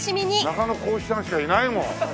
中野浩一さんしかいないもん。